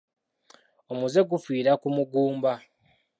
Omuzze gufiira ku muguumba.